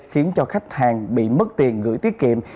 khiến cho khách hàng bị mất tiền gửi tiết kiệm